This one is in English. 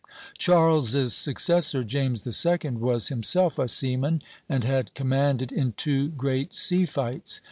Charles's successor, James II., was himself a seaman, and had commanded in two great sea fights.